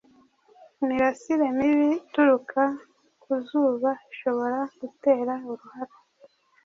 Imirasire mibi ituruka ku zuba ishobora gutera uruhara